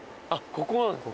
ここなんですね